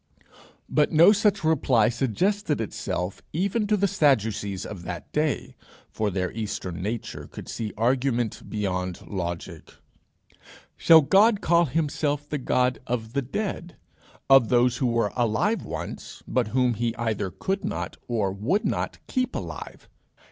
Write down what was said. But no such reply suggested itself even to the Sadducees of that day, for their eastern nature could see argument beyond logic. Shall God call himself the God of the dead, of those who were alive once, but whom he either could not or would not keep alive?